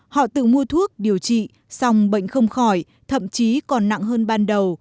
họ tự mua thuốc điều trị xong bệnh không khỏi thậm chí còn nặng hơn ban đầu